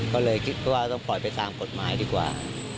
ก็เลยคิดว่าต้องปล่อยไปตามกฎหมายดีกว่า